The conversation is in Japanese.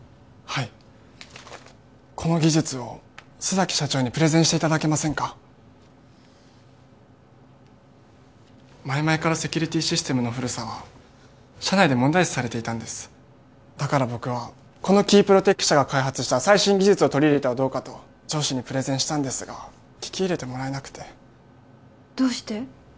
はいこの技術を須崎社長にプレゼンしていただけませんか前々からセキュリティシステムの古さは社内で問題視されていたんですだから僕はこのキープロテック社が開発した最新技術を取り入れてはどうかと上司にプレゼンしたんですが聞き入れてもらえなくてどうして？